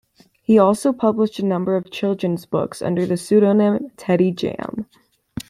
He also published a number of children's books under the pseudonym Teddy Jam.